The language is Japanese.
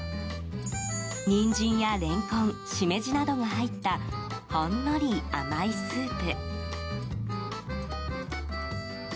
ニンジンやレンコンシメジなどが入ったほんのり甘いスープ。